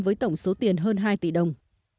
với tổng số tiền hơn hai tỷ đồng